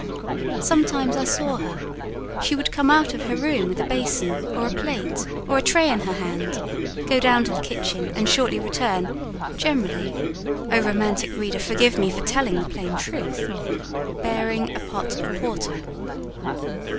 Sometimes I saw her: she would come out of her room with a basin, or a plate, or a tray in her hand, go down to the kitchen and shortly return, generally (oh, romantic reader, forgive me for telling the plain truth!) bearing a pot of porter.